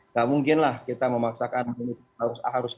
gak mungkin lah kita memaksakan a harus b